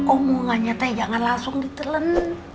omongannya teh jangan langsung ditelen